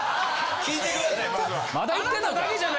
聞いてください